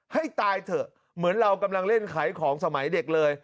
ให้ตายเถอะเหมือนเรากำลังเล่นขายของสมัยเด็กเลย